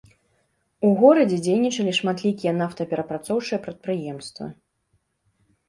У горадзе дзейнічалі шматлікія нафтаперапрацоўчыя прадпрыемствы.